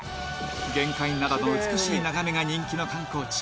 玄界灘の美しい眺めが人気の観光地